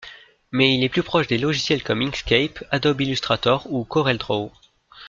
Mais il est plus proche des logiciels comme Inkscape, Adobe Illustrator ou CorelDraw.